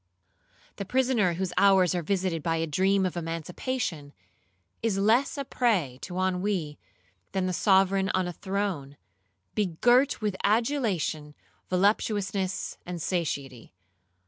'The prisoner whose hours are visited by a dream of emancipation, is less a prey to ennui than the sovereign on a throne, begirt with adulation, voluptuousness, and satiety.